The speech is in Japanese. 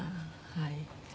はい。